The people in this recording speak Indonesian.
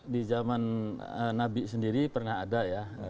di zaman nabi sendiri pernah ada ya